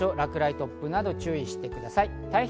落雷、突風などに注意してください。